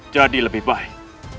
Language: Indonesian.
jadi lebih baik